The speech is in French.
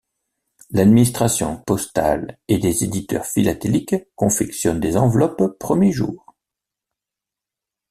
L'administration postale et des éditeurs philatéliques confectionnent des enveloppes premier jour.